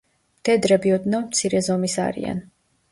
მდედრები ოდნავ მცირე ზომის არიან.